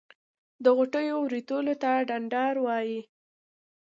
د غوټیو ورتولو ته ډنډار وایی.